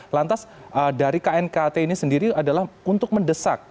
lantas dari knkt ini sendiri adalah untuk mendesak